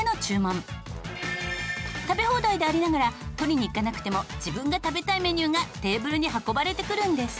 食べ放題でありながら取りに行かなくても自分が食べたいメニューがテーブルに運ばれてくるんです。